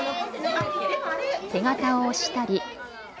手形を押したり。